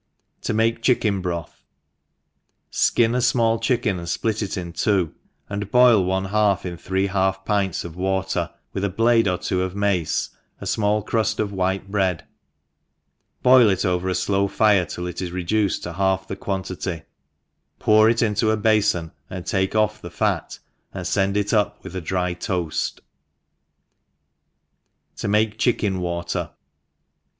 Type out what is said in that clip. To make Chicken Broth. SKIN a fmall chicken, and fplitit in two, and bpilone half inthx'e^ half pints of water, witl^ a blade or two of mace, a fmall cruft of white bread, boil it over a flow'fire till it is reduced to ENGffilsa HOUSE KEEFER, p^ ^alf the quantity, pour it into a bafon, and take off thefaty and fend it up with a dry toafl, To make Chicken Water.